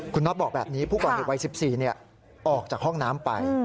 คุณน็อตบอกแบบนี้ผู้ก่อเหตุวัย๑๔ออกจากห้องน้ำไป